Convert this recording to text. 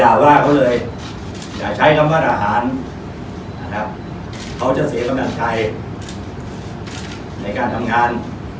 กล่าว่าเขาเลยอย่าใช้คำว่าอาหารเขาจะเสียกำหนังใครในการทำงาน